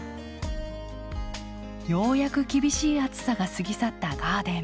ようやく厳しい暑さが過ぎ去ったガーデン。